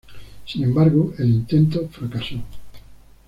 Sin embargo el intento fracasó.